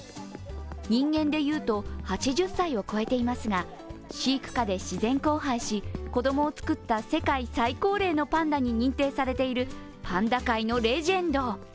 人間でいうと８０歳を超えていますが飼育下で自然交配し、子供を作った世界最高齢のパンダに認定されているパンダ界のレジェンド。